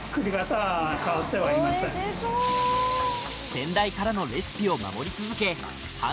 先代からのレシピを守り続け半